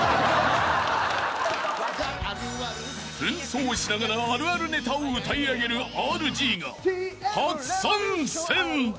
［扮装しながらあるあるネタを歌い上げるＲＧが初参戦！］